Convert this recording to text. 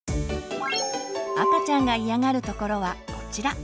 赤ちゃんが嫌がるところはこちら。